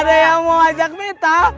ada yang mau ajak mita